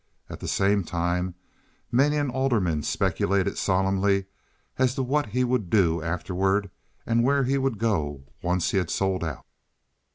At the same time many an alderman speculated solemnly as to what he would do afterward and where he would go once he had sold out.